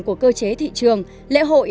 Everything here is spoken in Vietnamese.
của cơ chế thị trường lễ hội